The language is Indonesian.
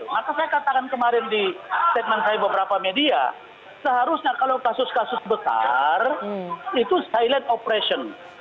maka saya katakan kemarin di statement saya beberapa media seharusnya kalau kasus kasus besar itu silent operation